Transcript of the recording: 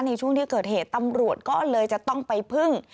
ในช่วงที่เกิดเหตุตำรวจก็เลยจะต้องไปพึ่ง